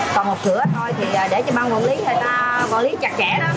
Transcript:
chứ không có ào ạt